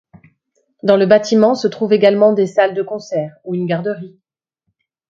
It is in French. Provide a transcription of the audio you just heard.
Dans le bâtiment se trouvent également des salles de concert ou une garderie.